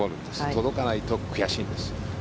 届かないと悔しいんです。